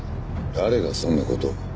誰がそんな事を。